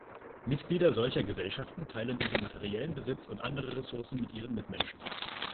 Mitglieder solcher Gesellschaften teilen ihren materiellen Besitz und andere Ressourcen mit ihren Mitmenschen.